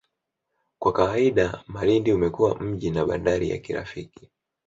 Kwa kawaida Malindi umekuwa mji na bandari ya kirafiki